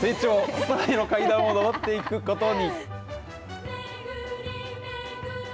スターへの階段を上っていくことに。